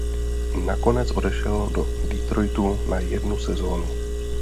Nakonec odešel do Detroitu na jednu sezónu.